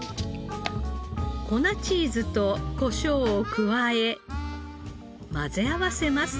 粉チーズとコショウを加え混ぜ合わせます。